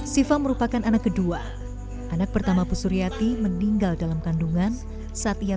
siapa merupakan anak kedua anak pertama bu suriaty meninggal dalam kandungan saja